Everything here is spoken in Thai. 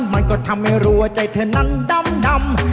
มันก็ทำให้รัวใจเธอนั้นดำ